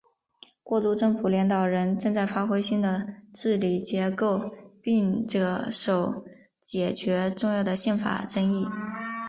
过渡政府领导人正在发展新的治理结构并着手解决重要的宪法争议。